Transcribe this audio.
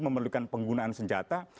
memerlukan penggunaan senjata